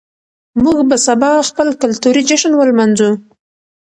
موږ به سبا خپل کلتوري جشن ولمانځو.